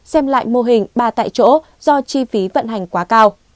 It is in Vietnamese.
xem lại mô hình ba tại chỗ do chi phí vận hành quá cao